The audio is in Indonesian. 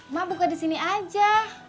mak buka di sini aja